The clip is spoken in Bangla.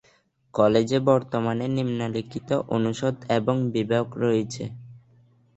কলেজে বর্তমানে নিম্নলিখিত অনুষদ এবং বিভাগ রয়েছে।